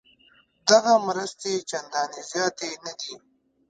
دغه مرستې چندانې زیاتې نه دي.